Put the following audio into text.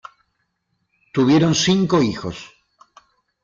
Tuvieron cinco hijos.